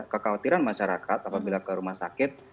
kekhawatiran masyarakat apabila ke rumah sakit